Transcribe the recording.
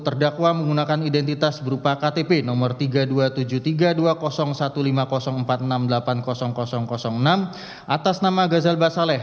terdakwa menggunakan identitas berupa ktp nomor tiga ribu dua ratus tujuh puluh tiga dua satu lima empat enam delapan ribu enam atas nama gazalba saleh